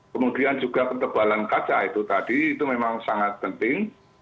kemudian juga ketebalan kaca itu tadi itu memang sangat penting